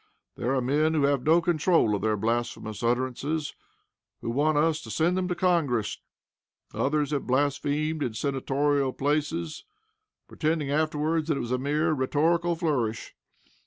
There are men who have no control of their blasphemous utterances, who want us to send them to Congress. Others have blasphemed in senatorial places, pretending afterwards that it was a mere rhetorical flourish.